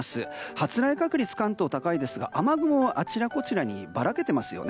発雷確率、関東高いですが雨雲は、あちらこちらにばらけていますね。